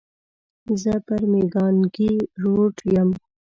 زه پر مېکانګي روډ یم.